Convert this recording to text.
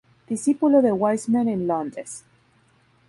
Discípulo de Wiseman en Londres.